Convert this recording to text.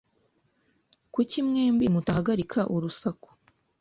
Kuki mwembi mutahagarika urusaku?